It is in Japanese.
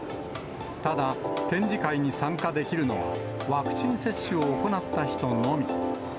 ただ、展示会に参加できるのはワクチン接種を行った人のみ。